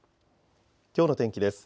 きょうの天気です。